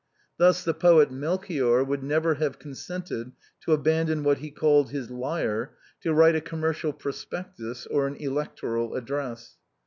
Thus the poet Melchior would never have con sented to abandon what he called his lyre, to write a com mercial prospectus or an electoral address.